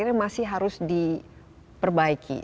mesti masih harus diperbaiki